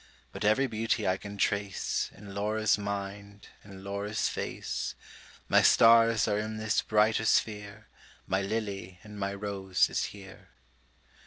But ev'ry beauty I can trace In Laura's mind, in Laura's face; My stars are in this brighter sphere, My lily and my rose is here.